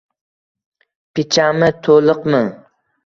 — Pichami, to‘liqmi?